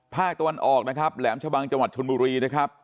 ภาคตะวันออกนะครับแหลมชะบังจังหวัดชนบุรีนะครับ